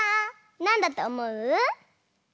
なんだとおもう？